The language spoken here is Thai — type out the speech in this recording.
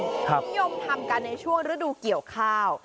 ปกติพิโยมทำกันในช่วงรูดูเกี่ยวข้าว